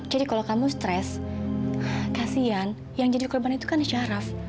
jadi kalau kamu stres kasihan yang jadi korban itu kan syaraf